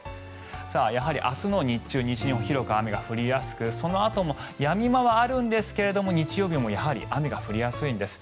明日は西日本にかけて広く雨が降りやすくそのあともやみ間はあるんですが日曜日は雨が降りやすいんです。